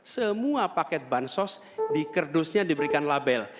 semua paket bansos di kerdusnya diberikan label